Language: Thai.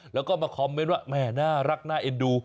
แล้วก็มาคอมเมนต์ว่าแม่น่ารักน่าเอ็นดู